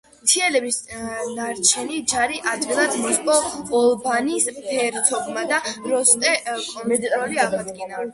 მთიელების ნარჩენი ჯარი ადვილად მოსპო ოლბანის ჰერცოგმა და როსზე კონტროლი აღადგინა.